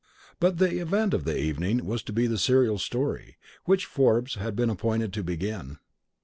But the event of the evening was to be the serial story, which Forbes had been appointed to begin.